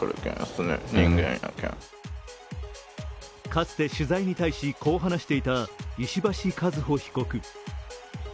かつて取材に対しこう話していた石橋被告。